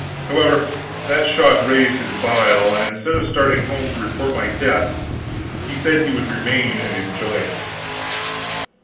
However, that shot raised his bile, and instead of starting home to report my death, he said he would remain and enjoy it.